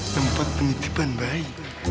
tempat penitipan bayi